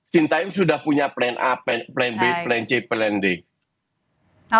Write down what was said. sintayong sudah punya plan a plan b plan c plan d